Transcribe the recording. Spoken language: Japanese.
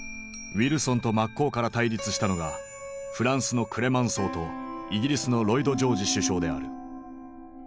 ウィルソンと真っ向から対立したのがフランスのクレマンソーとイギリスのロイド・ジョージ首相である。